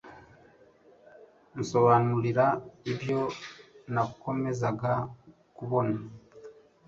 Nsobanurira ibyo nakomezaga kubona.